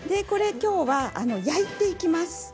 きょうはこれを焼いていきます。